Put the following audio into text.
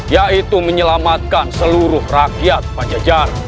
yaitu menyelamatkan seluruh rakyat pajajar